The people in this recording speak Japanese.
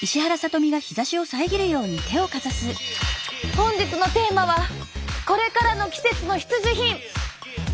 本日のテーマはこれからの季節の必需品。